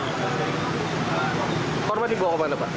korban dibawa ke mana pak